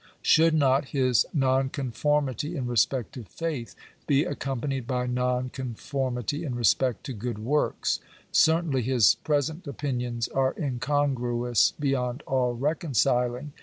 Should not his nonconformity in respect to faith be accompanied by non conformity in respect to good works f Certainly his present opinions are incongruous beyond all reconciling.